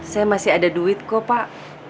saya masih ada duit kok pak